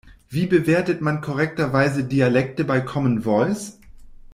Wie bewertet man korrekterweise Dialekte bei Common Voice?